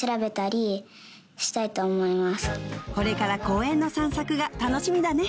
これから公園の散策が楽しみだね